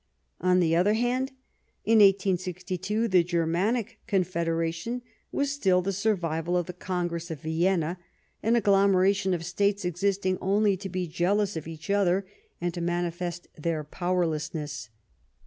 On the other hand, in 1862 the Germanic Confederation was still the survival of the Congress of Vienna ; an agglo meration of States existing only to be jealous of each other and to manifest their powerlessness.